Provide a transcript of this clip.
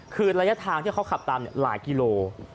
คือระยะทางที่เขาขับตามหลายกิโล